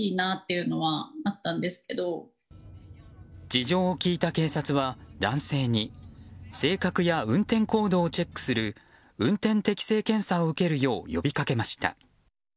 事情を聴いた警察は、男性に性格や運転行動をチェックする運転適性検査を受けるよう呼びかけました。